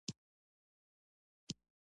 علي لوړې خبرې کوي.